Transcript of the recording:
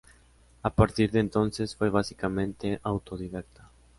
A partir de entonces fue básicamente autodidacta.